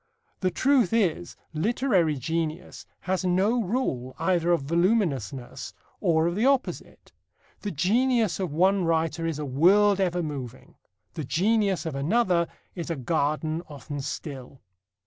The truth is, literary genius has no rule either of voluminousness or of the opposite. The genius of one writer is a world ever moving. The genius of another is a garden often still.